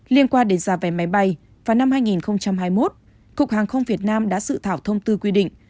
liên quan đến giá vé máy bay vào năm hai nghìn hai mươi một cục hàng không việt nam đã dự thảo thông tư quy định